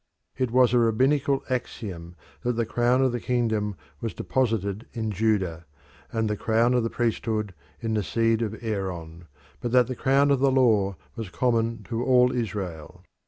It was a rabbinical axiom that the crown of the kingdom was deposited in Judah, and the crown of the priesthood in the seed of Aaron, but that the crown of the law was common to all Israel.